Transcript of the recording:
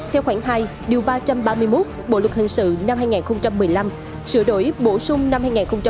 theo khoảng hai ba trăm ba mươi một bộ luật hình sự năm hai nghìn một mươi năm sửa đổi bổ sung năm hai nghìn một mươi bảy